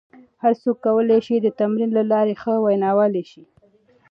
هر څوک کولای شي د تمرین له لارې ښه ویناوال شي.